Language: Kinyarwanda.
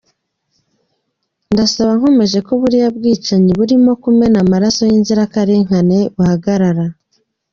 Ndasaba nkomeje ko buriya bwicanyi burimo kumena amaraso y’inzirakarengane buhagarara.